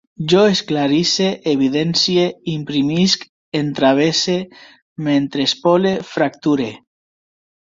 Jo esclarisse, evidencie, imprimisc, entravesse, m'entrespole, fracture